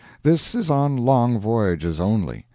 This is on long voyages only.